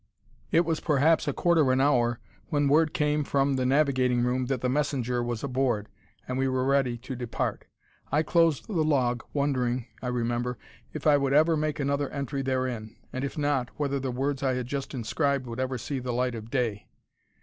It was perhaps a quarter of an hour when word came from the navigating room that the messenger was aboard, and we were ready to depart. I closed the log, wondering, I remember, if I would ever make another entry therein, and, if not, whether the words I had just inscribed would ever see the light of day.